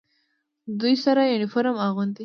دوی سور یونیفورم اغوندي.